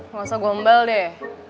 masa gua ombal deh